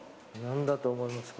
何だと思います？